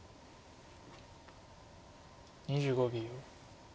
２５秒。